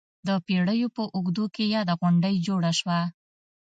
د پېړیو په اوږدو کې یاده غونډۍ جوړه شوه.